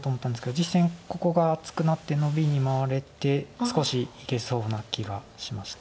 実戦ここが厚くなってノビに回れて少しいけそうな気がしました。